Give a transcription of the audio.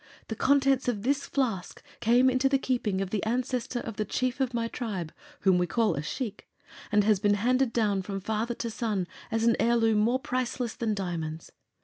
The contents of this flask came into the keeping of the Ancestor of the Chief of my Tribe whom we call a Shiek and has been handed down from father to son as an heirloom more priceless than diamonds.